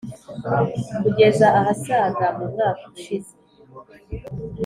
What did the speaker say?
kugeza ahasaga mu mwaka ushize